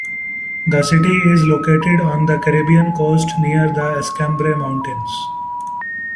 The city is located on the Caribbean coast near the Escambray Mountains.